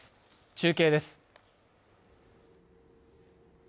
中継です。